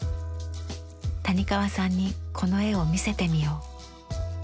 谷川さんにこの絵を見せてみよう。